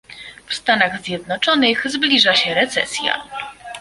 W Stanach Zjednoczonych zbliża się recesja